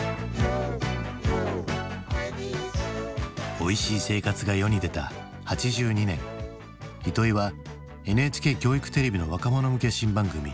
「おいしい生活」が世に出た８２年糸井はＮＨＫ教育テレビの若者向け新番組「ＹＯＵ」の司会者となる。